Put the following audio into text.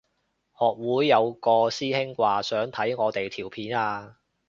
學會有個師兄話想睇我哋條片啊